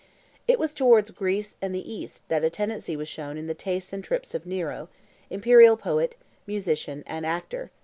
It was towards Greece and the East that a tendency was shown in the tastes and trips of Nero, imperial poet, musician, and actor.